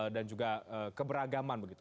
dan juga keberagaman begitu